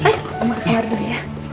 sayang umar ke kamar dulu ya